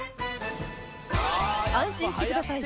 安心してください！